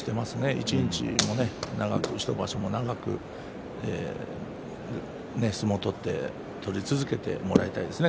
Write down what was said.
一日でも長く、１場所でも長く相撲を取って取り続けてもらいたいですね